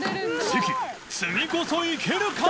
次こそいけるか？